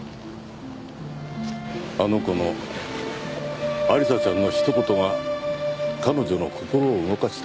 あの子の亜理紗ちゃんのひと言が彼女の心を動かした。